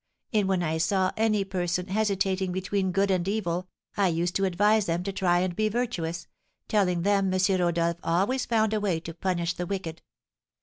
And when I saw any person hesitating between good and evil, I used to advise them to try and be virtuous, telling them M. Rodolph always found a way to punish the wicked.